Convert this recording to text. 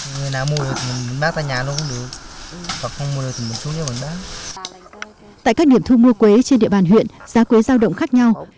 nguồn thu mua quế trên địa bàn huyện giá quế giao động khác nhau